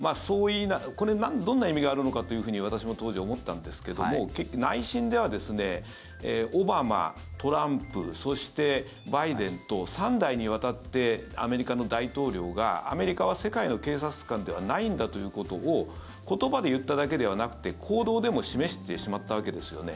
これ、どんな意味があるのかというふうに私も当時、思ったんですけども内心ではオバマ、トランプそして、バイデンと３代にわたってアメリカの大統領がアメリカは世界の警察官ではないんだということを言葉で言っただけではなくて行動でも示してしまったわけですよね。